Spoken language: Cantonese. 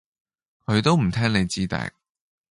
佢都唔聽你支笛